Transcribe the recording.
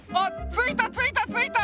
ついたついたついた！